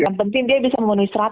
yang penting dia bisa memenuhi syarat